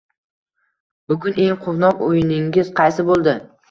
Bugun eng quvnoq o‘yiningiz qaysi bo‘ldi?